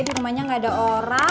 di rumahnya nggak ada orang